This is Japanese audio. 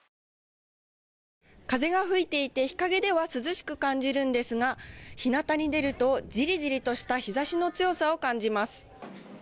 風が吹いていて日陰では涼しく感じるんですが日なたに出るとじりじりとした日差しの強さを感じます。